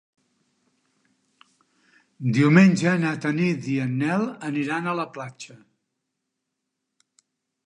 Diumenge na Tanit i en Nel aniran a la platja.